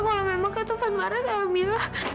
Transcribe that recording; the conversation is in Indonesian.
kalo memang ketuhan marah sama mila